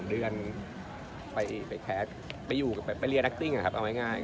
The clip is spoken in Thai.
เอาง่าย